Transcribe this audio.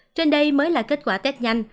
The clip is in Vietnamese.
trên đây mới là kết quả tét nhanh